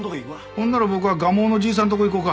ほんなら僕は蒲生のじいさんとこ行こか。